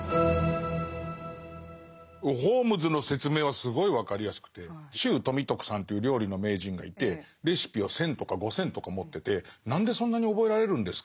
ホームズの説明はすごい分かりやすくて周富徳さんっていう料理の名人がいてレシピは１，０００とか５，０００とか持ってて「何でそんなに覚えられるんですか？」